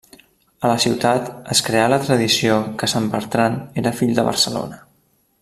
A la ciutat es creà la tradició que Sant Bertran era fill de Barcelona.